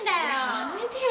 やめてよ